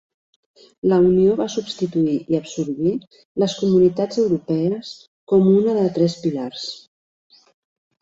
La unió va substituir i absorbir les comunitats europees com una de tres pilars.